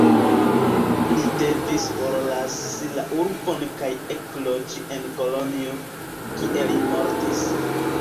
Li devis forlasi la urbon kaj ekloĝi en Kolonjo, kie li mortis.